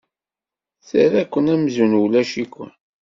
Terra-ken amzun ulac-iken.